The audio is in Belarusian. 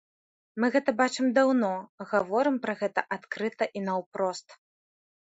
Мы гэта бачым даўно, гаворым пра гэта адкрыта і наўпрост.